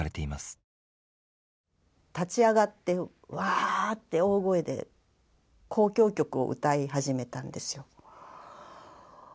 立ち上がってワーッて大声で交響曲を歌い始めたんですよ。